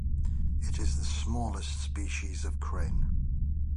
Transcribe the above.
It is the smallest species of crane.